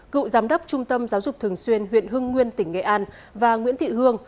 cựu giám đốc trung tâm giáo dục thường xuyên huyện hưng nguyên tỉnh nghệ an và nguyễn thị hương